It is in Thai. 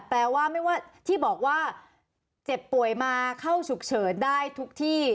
แปลว่าไม่ว่าที่บอกว่าเจ็บป่วยมาเข้าฉุกเฉินได้ทุกที่